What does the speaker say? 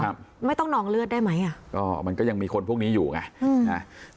ไม่ต้องนองเลือดได้ไหมอ่ะก็มันก็ยังมีคนพวกนี้อยู่ไงอืมอ่า